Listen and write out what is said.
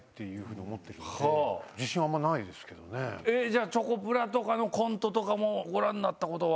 じゃあチョコプラとかのコントもご覧になったことは？